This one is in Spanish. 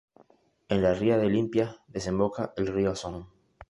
En la ría de Limpias desemboca el río Asón.